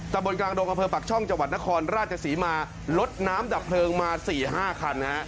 บนกลางดงอำเภอปากช่องจังหวัดนครราชศรีมาลดน้ำดับเพลิงมา๔๕คัน